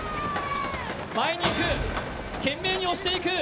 前に行く、懸命に押していく。